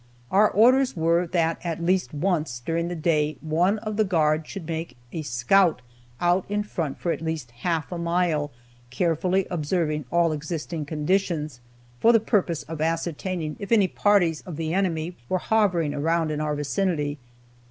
Our orders were that at least once during the day one of the guard should make a scout out in front for at least half a mile, carefully observing all existing conditions, for the purpose of ascertaining if any parties of the enemy were hovering around in our vicinity.